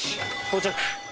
到着。